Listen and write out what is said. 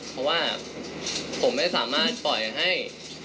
เพราะว่าผมไม่สามารถปล่อยให้